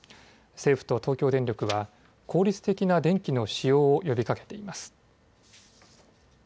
政府と東京電力は効率的な電気の使用を呼びかけています。